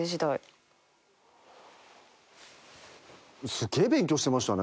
すげえ勉強してましたね